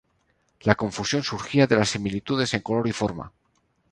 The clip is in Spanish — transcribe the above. La confusión surgía de las similitudes en color y forma.